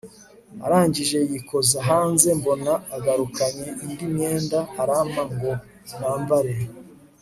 arangije yikoza hanze mbona agarukanye indi myenda arampa ngo nambare